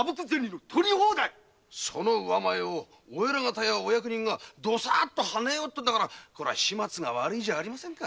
その上前をお偉方やお役人がごっそりはねようってんだから始末が悪いじゃありませんか。